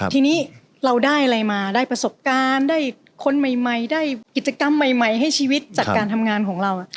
ทีนี้เราได้อะไรมาได้ประสบการณ์ได้คนใหม่ได้กิจกรรมใหม่ให้ชีวิตจากการทำงานของเรา